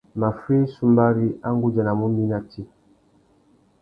Maffuï sumbari, a nʼgudjanamú mi nà tsi.